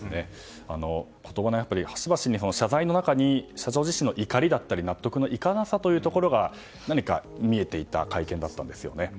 言葉の端々に謝罪の中に社長の怒りだったり納得のいかなさが見えていた会見だったんですよね。